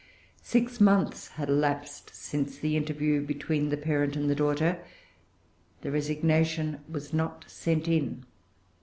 Six months had elapsed since the interview between the parent and the daughter. The resignation was not sent in.